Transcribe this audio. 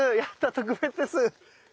特別です。